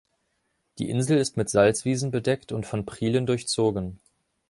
Die Insel ist mit Salzwiesen bedeckt und von Prielen durchzogen.